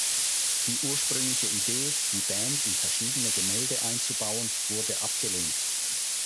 Die ursprüngliche Idee, die Band in verschiedene Gemälde einzubauen, wurde abgelehnt.